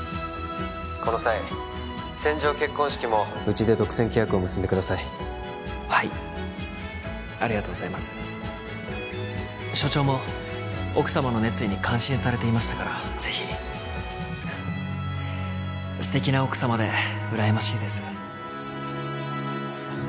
この際船上結婚式もうちで独占契約を結んでくださいはいありがとうございます所長も奥様の熱意に感心されていましたからぜひすてきな奥様でうらやましいですあっ